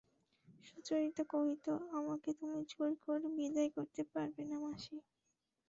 সুচরিতা কহিত, আমাকে তুমি জোর করে বিদায় করতে পারবে না মাসি!